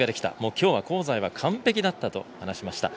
今日は香西は完璧だったと話しました。